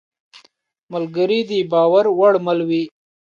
ملګری د باور وړ مل وي.